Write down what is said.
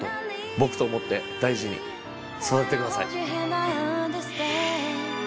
僕と思って大事に育ててください。